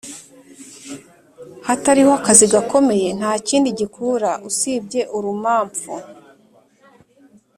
hatariho akazi gakomeye, ntakindi gikura usibye urumamfu.